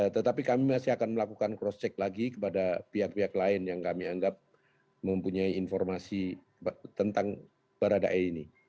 tetapi kami masih akan melakukan cross check lagi kepada pihak pihak lain yang kami anggap mempunyai informasi tentang baradae ini